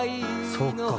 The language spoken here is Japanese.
そっか。